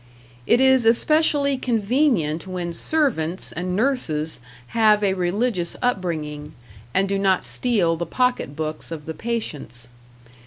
It is especially convenient when servants and nurses have a religious upbringing, and do not steal the pocket books of the patients.